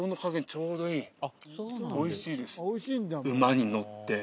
ちょうどいいおいしいです